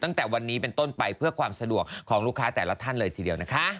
ตั้งแต่วันนี้เป็นต้นไปเพื่อความสะดวกของลูกค้าแต่ละท่านเลยทีเดียวนะคะ